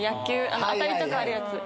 当たりとかあるやつ。